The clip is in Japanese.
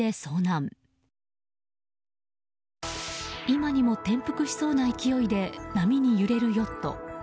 今にも転覆しそうな勢いで波に揺れるヨット。